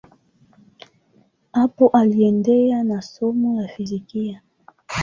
Hapo aliendelea na somo la fizikia.